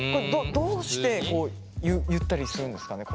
どうしてこう言ったりするんですかね？